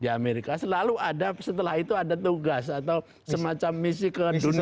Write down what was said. di amerika selalu ada setelah itu ada tugas atau semacam misi ke dunia